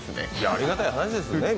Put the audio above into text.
ありがたい話ですよね。